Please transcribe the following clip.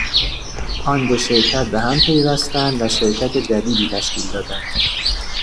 آن دو شرکت به هم پیوستند و شرکت جدیدی تشکیل دادند.